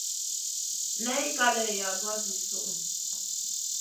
Nay kalèh yagoua zi suʼu.